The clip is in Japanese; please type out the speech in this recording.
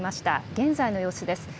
現在の様子です。